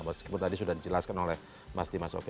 meskipun tadi sudah dijelaskan oleh mas dimas oki